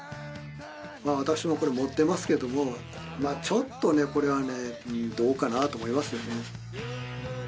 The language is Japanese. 私もこれ持ってますけどもまあちょっとねこれはねどうかなと思いますよね